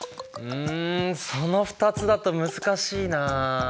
うんその２つだと難しいな。